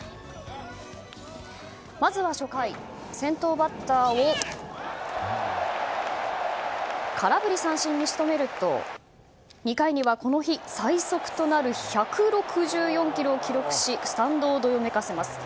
まずは初回、先頭バッターを空振り三振に仕留めると２回には、この日最速となる１６４キロを記録しスタンドをどよめかせます。